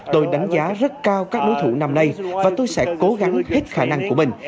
tôi đánh giá rất cao các đối thủ năm nay và tôi sẽ cố gắng hết khả năng của mình